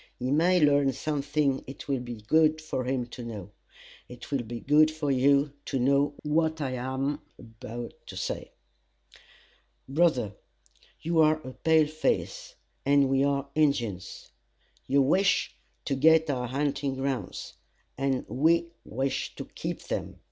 He may learn something it will be good for him to know. It will be good for you to know what I am about to say. "Brother, you are a pale face, and we are Injins. You wish to get our hunting grounds, and we wish to keep them.